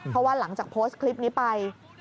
เพราะว่าหลังจากโพสต์คลิปนี้ไป